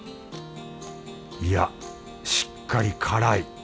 いやしっかり辛い！